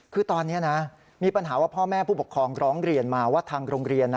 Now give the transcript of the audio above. คือตอนนี้นะมีปัญหาว่าพ่อแม่ผู้ปกครองร้องเรียนมาว่าทางโรงเรียน